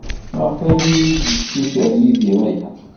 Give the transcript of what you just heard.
Maɣef ay iyi-d-yessuter Yidir aya?